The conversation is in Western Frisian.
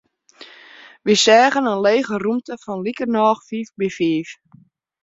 Wy seagen yn in lege rûmte fan likernôch fiif by fiif.